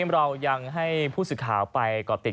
เรายังให้ผู้สื่อข่าวไปก่อติด